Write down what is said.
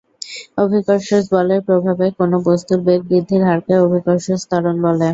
অভিকর্ষজ বলের প্রভাবে কোন বস্তুর বেগ বৃদ্ধির হারকে অভিকর্ষজ ত্বরণ বলে।